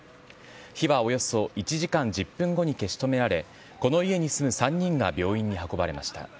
火はおよそ１時間１０分後に消し止められ、この家に住む３人が病院に運ばれました。